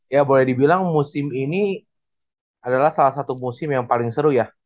ya boleh dibilang musim ini adalah salah satu musim yang paling seru ya